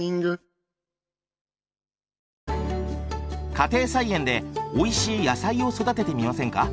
家庭菜園でおいしい野菜を育ててみませんか？